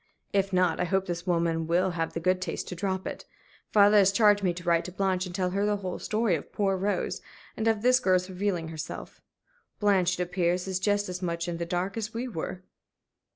If not, I hope this woman will have the good taste to drop it. Father has charged me to write to Blanche and tell her the whole story of poor Rose, and of this girl's revealing herself. Blanche, it appears, is just as much in the dark as we were."